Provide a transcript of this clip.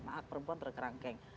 maaf perempuan terkerangkeng